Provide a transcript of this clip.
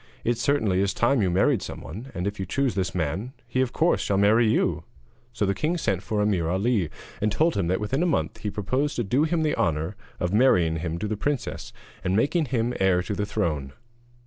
It certainly is time you married someone, and if you choose this man, of course he shall marry you.' So the king sent for Ameer Ali, and told him that within a month he proposed to do him the honour of marrying him to the princess, and making him heir to the throne.